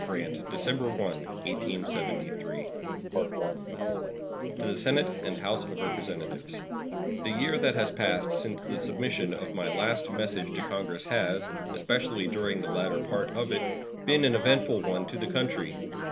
Grant December 1, 1873 To the Senate and House of Representatives: The year that has passed since the submission of my last message to Congress has, especially during the latter part of it, been an eventful one to the country.